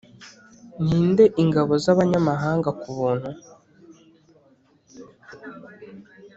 ninde ingabo z'abanyamahanga kubuntu